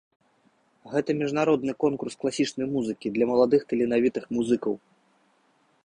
Гэта міжнародны конкурс класічнай музыкі для маладых таленавітых музыкаў.